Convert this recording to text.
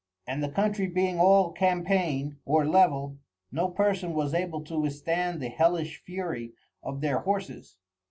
And the Country being all Campaign or Level, no Person was able to withstand the Hellish Fury of their Horses.